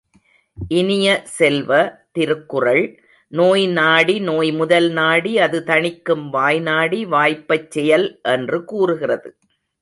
இனிய செல்வ, திருக்குறள், நோய்நாடி நோய்முதல் நாடி அதுதணிக்கும் வாய்நாடி வாய்ப்பச் செயல் என்று கூறுகிறது.